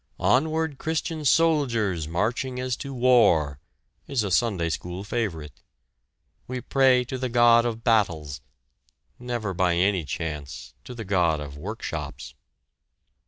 "Onward Christian soldiers, marching as to war" is a Sunday school favorite. We pray to the God of Battles, never by any chance to the God of Workshops!